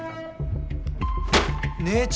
姉ちゃん。